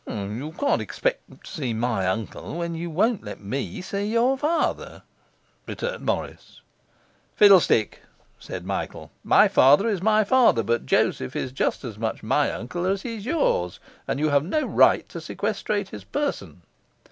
'You can't expect to see my uncle when you won't let me see your father,' returned Morris. 'Fiddlestick,' said Michael. 'My father is my father; but Joseph is just as much my uncle as he's yours; and you have no right to sequestrate his person.